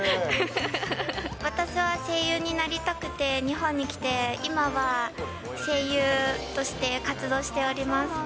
私は声優になりたくて日本に来て、今は声優として活動しております。